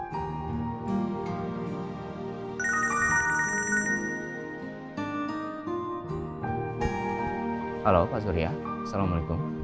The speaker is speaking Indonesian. halo pak surya assalamualaikum